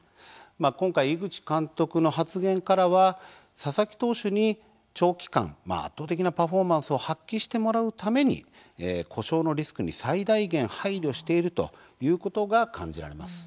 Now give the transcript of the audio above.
今回、井口監督の発言からは佐々木投手に長期間圧倒的なパフォーマンスを発揮してもらうために故障のリスクに最大限配慮しているということが感じられます。